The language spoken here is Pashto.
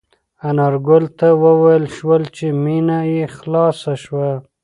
انارګل ته وویل شول چې مېنه یې خلاصه شوه.